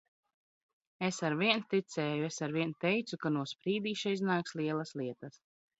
Es arvien ticēju! Es arvien teicu, ka no Sprīdīša iznāks lielas lietas.